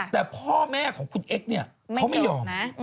แต่พ่อแม่ของคุณเอ็กซ์เนี่ยเขาไม่ยอม